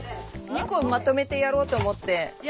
２個まとめてやろうと思って。